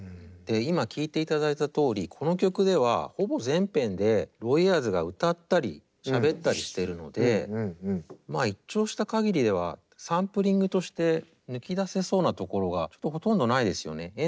で今聴いていただいたとおりこの曲ではほぼ全編でロイ・エアーズが歌ったりしゃべったりしているので一聴した限りではサンプリングとして抜き出せそうなところがほとんどないですよね。